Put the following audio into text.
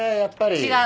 違う。